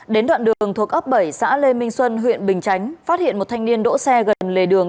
đến đoạn đường thuộc ấp bảy xã lê minh xuân huyện bình chánh phát hiện một thanh niên đỗ xe gần lề đường